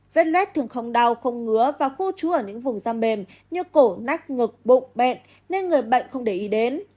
vết luet thường không đau không ngứa và khu trú ở những vùng da mềm như cổ nách ngực bụng bệnh nên người bệnh không để ý đến